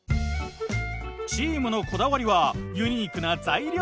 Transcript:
チームのこだわりはユニークな材料。